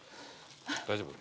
大丈夫？